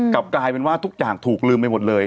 กลับกลายเป็นว่าทุกอย่างถูกลืมไปหมดเลย